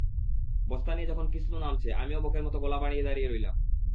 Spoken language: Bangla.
বস্তা নিয়ে যখন কিসলু নামছে, আমিও বকের মতো গলা বাঁড়িয়ে তাকিয়ে রইলাম।